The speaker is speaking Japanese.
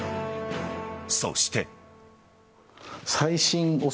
そして。